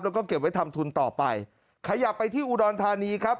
แล้วก็เก็บไว้ทำทุนต่อไปขยับไปที่อุดรธานีครับ